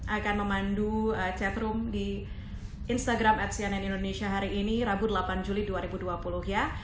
akan memandu chatroom di instagram at cnn indonesia hari ini rabu delapan juli dua ribu dua puluh ya